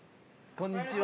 こんにちは。